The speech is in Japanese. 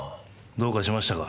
どうかしましたか？